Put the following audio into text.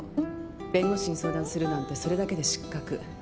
弁護士に相談するなんてそれだけで失格。